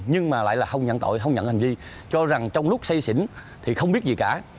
nhưng mà lại là không nhận tội không nhận hành vi cho rằng trong lúc xây xỉn thì không biết gì cả